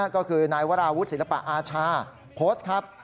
ก็คือนายวราวุฒิศิลปะอาชาโพสต์ครับ